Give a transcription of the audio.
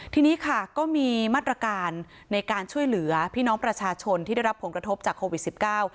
ทีนี้ค่ะก็มีมาตรการในการช่วยเหลือพี่น้องประชาชนที่ได้รับผลกระทบจากโควิดสิบเก้า